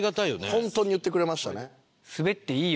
本当に言ってくれましたね。